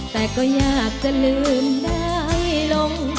แต่ก็อยากจะลืมได้ลง